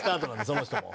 その人も。